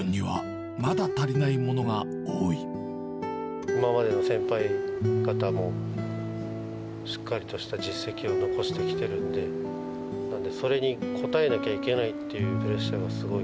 しかし、今までの先輩方も、しっかりとした実績を残してきてるんで、なんで、それに応えなきゃいけないっていうプレッシャーがすごい。